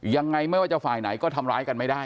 ไม่ว่าจะฝ่ายไหนก็ทำร้ายกันไม่ได้